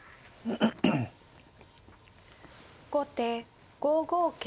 後手５五桂馬。